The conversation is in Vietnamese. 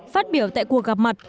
phát biểu tại cuộc gặp mặt